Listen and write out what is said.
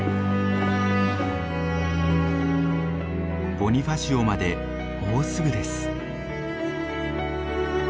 ボニファシオまでもうすぐです。